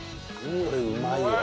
これうまいわ。